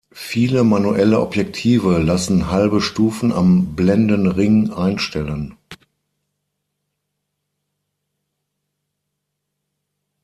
Viele manuelle Objektive lassen halbe Stufen am Blendenring einstellen.